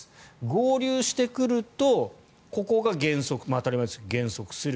合流してくるとここが減速当たり前ですけど減速する。